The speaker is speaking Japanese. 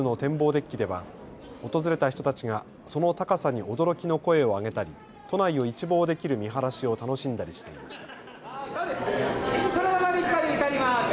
デッキでは訪れた人たちがその高さに驚きの声を上げたり、都内を一望できる見晴らしを楽しんだりしていました。